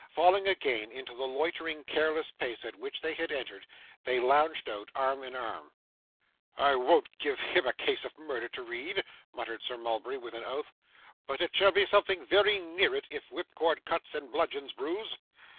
Falling, again, into the loitering, careless pace at which they had entered, they lounged out, arm in arm. 'I won't give him a case of murder to read,' muttered Sir Mulberry with an oath; 'but it shall be something very near it if whipcord cuts and bludgeons bruise.